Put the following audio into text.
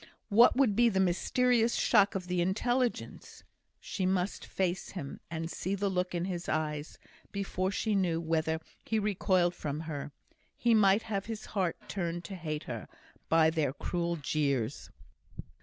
What would be the mysterious shock of the intelligence? She must face him, and see the look in his eyes, before she knew whether he recoiled from her; he might have his heart turned to hate her, by their cruel jeers.